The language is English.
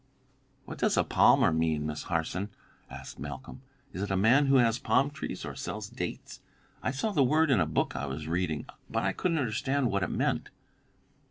'" "What does a 'palmer' mean, Miss Harson?" asked Malcolm. "Is it a man who has palm trees or who sells dates? I saw the word in a book I was reading, but I couldn't understand what it meant."